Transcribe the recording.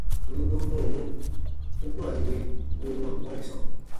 Wì u dobu nɔɔmɔ, u ku ra n yɛ̃ goo wãa bɔnɛ sɔɔ.